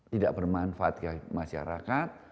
tidak bermanfaat bagi masyarakat